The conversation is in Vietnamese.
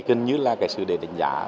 gần như là sự để đánh giá